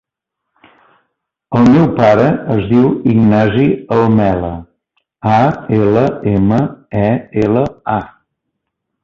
El meu pare es diu Ignasi Almela: a, ela, ema, e, ela, a.